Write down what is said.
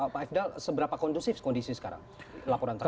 pak ifdal seberapa kondusif kondisi sekarang laporan terakhir